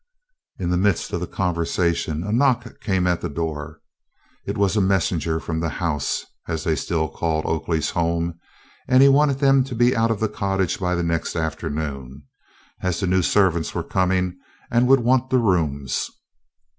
In the midst of the conversation a knock came at the door. It was a messenger from the "House," as they still called Oakley's home, and he wanted them to be out of the cottage by the next afternoon, as the new servants were coming and would want the rooms.